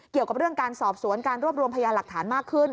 เกี่ยวกับเรื่องการสอบสวนการรวบรวมพยานหลักฐานมากขึ้น